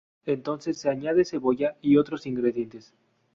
Entonces se añade cebolleta y otros ingredientes.